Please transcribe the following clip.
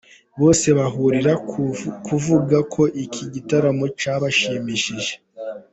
Bose bahurira ku kuvuga ko iki gitaramo cyabashimishije.